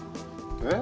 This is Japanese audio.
えっ？